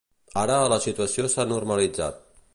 Ara, la situació s'ha normalitzat.